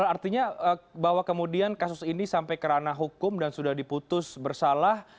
artinya bahwa kemudian kasus ini sampai kerana hukum dan sudah diputus bersalah